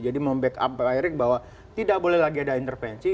jadi membackup pak erik bahwa tidak boleh lagi ada intervensi